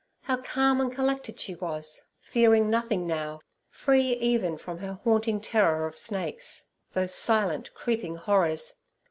How calm and collected she was, fearing nothing now, free even from her haunting terror of snakes—those silent, creeping horrors!